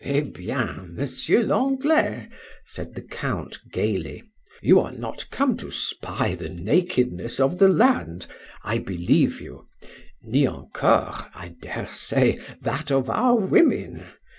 Eh bien! Monsieur l'Anglois, said the Count, gaily;—you are not come to spy the nakedness of the land;—I believe you;—ni encore, I dare say, that of our women!